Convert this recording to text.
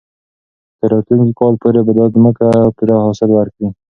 تر راتلونکي کال پورې به دا ځمکه پوره حاصل ورکړي.